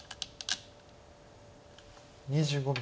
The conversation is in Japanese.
２５秒。